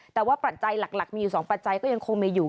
แต่ว่าปัจจัยหลักมีอยู่๒ปัจจัยก็ยังคงมีอยู่